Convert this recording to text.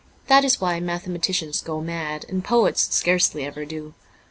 That is why mathematicians go mad, and poets scarcely ever do.